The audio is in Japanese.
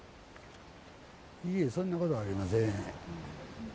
いえ、そんなことはありません。